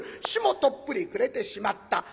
日もとっぷり暮れてしまった。